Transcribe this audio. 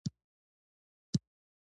بیاباني دې تخنوي مجموعه یې چاپ شوې.